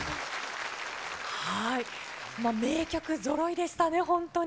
名曲ぞろいでしたね、本当に。